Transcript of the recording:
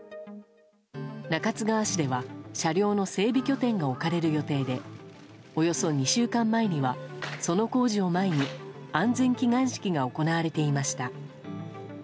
中津川市では車両の整備拠点が置かれる予定でおよそ２週間前にはその工事を前に安全祈願式が行われていました。